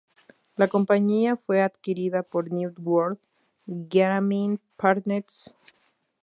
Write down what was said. La compañía fue adquirida por New World Gaming Partners Ltd.